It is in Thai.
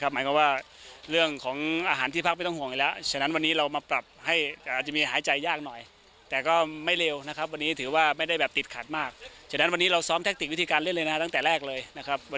หมายความว่าเรื่องของอาหารที่พลักษณ์ไม่ต้องห่วงอีกแล้ว